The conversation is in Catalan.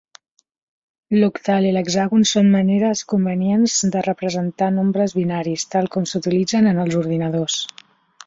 L'octal i l'hexàgon són maneres convenients de representar nombres binaris, tal com s'utilitzen en els ordinadors.